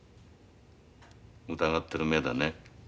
疑ってる目だね。